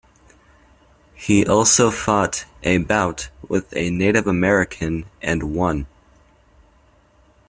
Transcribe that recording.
He also fought a bout with a Native American and won.